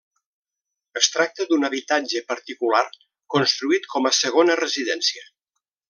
Es tracta d'un habitatge particular construït com a segona residència.